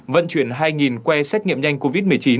vận chuyển hai que test nhanh covid một mươi chín